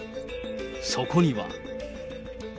そこには。